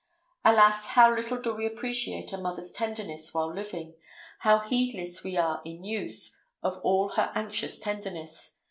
Alas! how little do we appreciate a mother's tenderness while living! How heedless are we in youth of all her anxious tenderness!